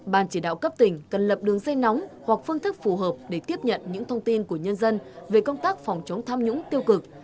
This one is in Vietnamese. ban chỉ đạo cấp tỉnh cần lập đường dây nóng hoặc phương thức phù hợp để tiếp nhận những thông tin của nhân dân về công tác phòng chống tham nhũng tiêu cực